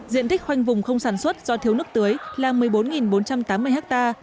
diện tích khoanh vùng không sản xuất do thiếu nước tưới là một mươi bốn bốn trăm tám mươi ha